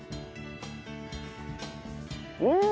うん！